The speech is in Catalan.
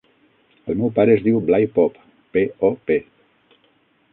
El meu pare es diu Blai Pop: pe, o, pe.